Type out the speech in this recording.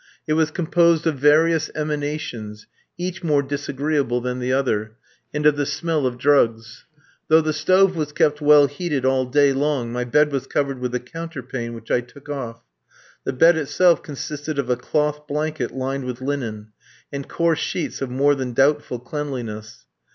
It was composed of various emanations, each more disagreeable than the other, and of the smell of drugs; though the stove was kept well heated all day long, my bed was covered with a counterpane, which I took off. The bed itself consisted of a cloth blanket lined with linen, and coarse sheets of more than doubtful cleanliness.